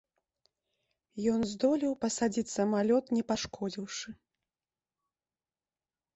Ён здолеў пасадзіць самалёт не пашкодзіўшы.